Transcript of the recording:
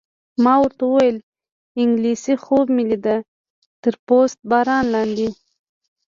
ما ورته وویل: انګلېسي خوب مې لیده، تر پست باران لاندې.